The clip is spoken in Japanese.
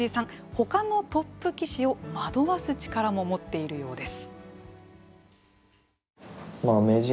他のトップ棋士を惑わす力も持っているようです。